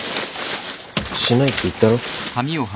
しないって言ったろ？